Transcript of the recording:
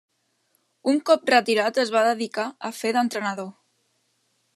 Un cop retirat es va dedicar a fer d'entrenador.